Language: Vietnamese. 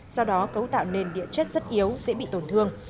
do đó cấu tạo nền địa chất rất yếu dễ bị tổn thương